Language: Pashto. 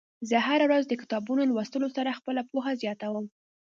زه هره ورځ د کتابونو لوستلو سره خپله پوهه زياتوم.